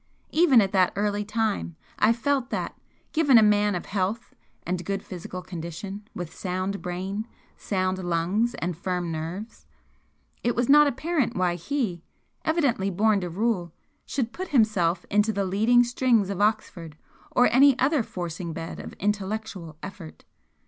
Even at that early time I felt that, given a man of health and good physical condition, with sound brain, sound lungs and firm nerves, it was not apparent why he, evidently born to rule, should put himself into the leading strings of Oxford or any other forcing bed of intellectual effort.